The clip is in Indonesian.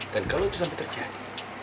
dan kalau itu sampai terjadi